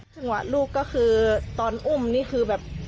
ช่างหวะลูกก็คือตอนอุ้มนี่คือแบบ